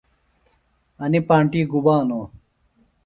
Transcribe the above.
انیۡ پانٹیۡ گُبا نو؟